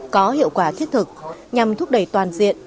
có hiệu quả thiết thực nhằm thúc đẩy toàn diện